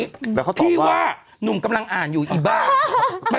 แล้วเขาตอบว่าที่ว่านุ่งกำลังอ่านอยู่อีบ้า